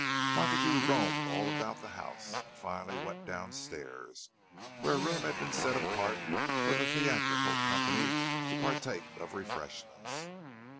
Montague roamed all about the house, and finally went downstairs, where a room had been set apart for the theatrical company to partake of refreshments.